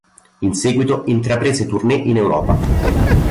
In seguito intraprese tournée in Europa.